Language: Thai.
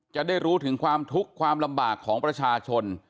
จะได้รู้ถึงความทุกข์ความลำบากของประชาชน